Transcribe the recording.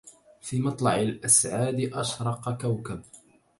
في مطلع الأسعاد أشرق كوكب